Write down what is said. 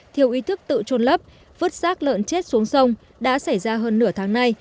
thiếu ý thức tự trôn lấp vứt sát lợn chết xuống sông đã xảy ra hơn nửa tháng nay